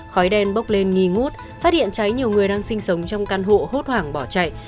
khói đen bốc lên nghi ngút phát hiện cháy nhiều người đang sinh sống trong căn hộ hốt hoảng bỏ chạy